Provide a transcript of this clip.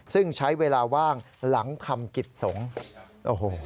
ซึ่งใช้เวลาว่างหลังคำกิจสงฆ์